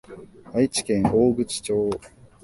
愛知県大口町